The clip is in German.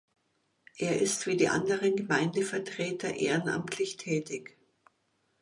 Er ist wie die anderen Gemeindevertreter ehrenamtlich tätig.